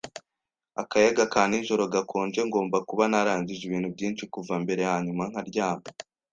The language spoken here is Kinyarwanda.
akayaga ka nijoro gakonje, ngomba kuba narangije ibintu byinshi kuva mbere, hanyuma nkaryama